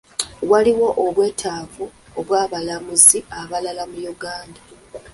Waliwo obwetaavu bw'abalamuzi abalala mu Uganda.